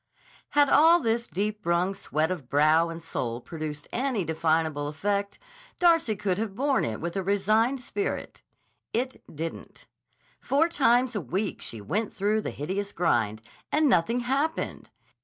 Had all this deep wrung sweat of brow and soul produced any definable effect, Darcy could have borne it with a resigned spirit. It didn't. Four times a week she went through the hideous grind, and nothing happened.